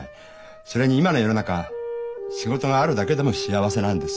それに今の世の中仕事があるだけでも幸せなんです。